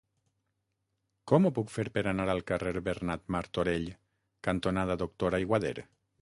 Com ho puc fer per anar al carrer Bernat Martorell cantonada Doctor Aiguader?